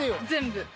［全部］